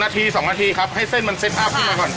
นาที๒นาทีครับให้เส้นมันเซ็ตอัพขึ้นไปก่อน